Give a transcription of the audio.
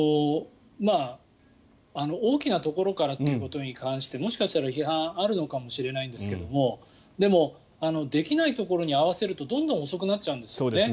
大きなところからということに関してもしかしたら、批判あるのかもしれないんですけどでも、できないところに合わせるとどんどん遅くなっちゃうんですね。